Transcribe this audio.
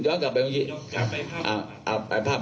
เอาไปภาพ